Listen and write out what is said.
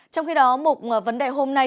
trong khi đó một vấn đề hôm nay